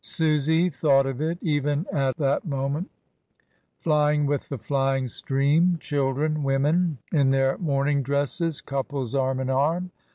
Susy thought of it, even at a that moment, flying with the flying stream — children, women in their mourning dresses, couples arm in arm.